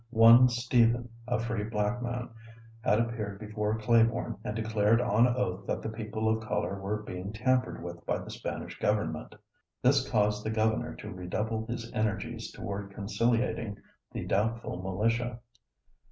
One Stephen, a free black man, had appeared before Claiborne and declared on oath that the people of color were being tampered with by the Spanish government. This caused the governor to redouble his energies toward conciliating the doubtful militia.